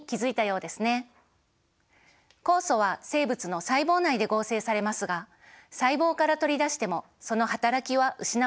酵素は生物の細胞内で合成されますが細胞から取り出してもそのはたらきは失われません。